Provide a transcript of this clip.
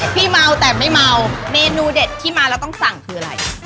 พี่เมาแต่ไม่เมาเมนูเด็ดที่มาแล้วต้องสั่งคืออะไร